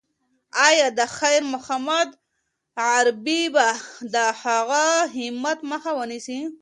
ایا د خیر محمد غریبي به د هغه د همت مخه ونیسي؟